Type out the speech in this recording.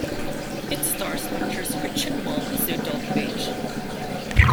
It stars actress Gretchen Mol as the adult Page.